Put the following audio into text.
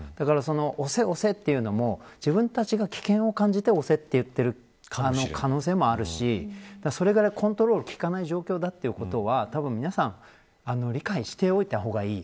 押せ押せというのも自分たちが危険を感じて押せと言っている可能性もあるしそのぐらいコントロールがきかない状況ということは皆さん理解しておいた方がいい。